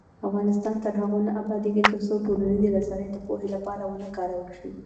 افغانستان تر هغو نه ابادیږي، ترڅو ټولنیزې رسنۍ د پوهې لپاره ونه کارول شي.